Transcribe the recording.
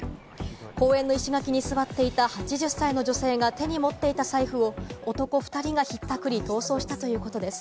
公園の石垣に座っていた８０歳の女性が手に持っていた財布を男２人がひったくり、逃走したということです。